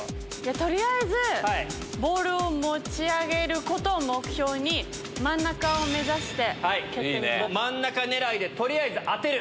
とりあえず、ボールを持ち上げることを目標に、真ん中狙いで、とりあえず当てる。